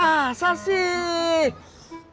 ingat pantang pulang sebelum dapat barang